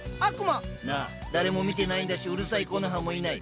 なあ誰も見てないんだしうるさいコノハもいない。